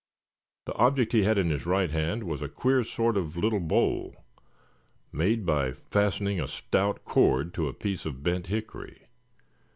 The object he had in his right hand was a queer sort of a little bow, made by fastening a stout cord to a piece of bent hickory.